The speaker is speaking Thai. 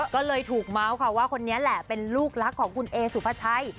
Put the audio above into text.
ก็เลยถูกเมาส์ค่ะว่าคนนี้แหละเป็นลูกรักของคุณเอสุภาชัย